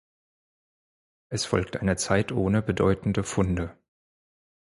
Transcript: Es folgt eine Zeit ohne bedeutende Funde.